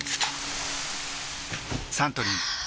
サントリー「金麦」